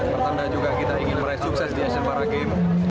pertanda juga kita ingin meraih sukses di asian paragames